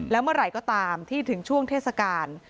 แล้วเมื่อไหร่ก็ตามที่ถึงช่วงเทศกาล